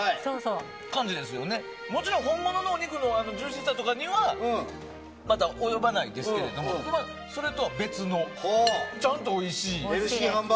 もちろん本物のお肉のジューシーさとかにはまだ及ばないですけどそれとは別のちゃんとおいしい。